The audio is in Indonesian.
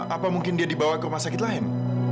apa mungkin dia dibawa ke rumah sakit lain